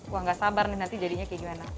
wah gak sabar nih nanti jadinya keju enak